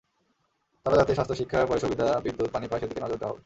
তারা যাতে স্বাস্থ্য, শিক্ষা, পয়ঃসুবিধা, বিদ্যুৎ, পানি পায়, সেদিকে নজর দেওয়া হবে।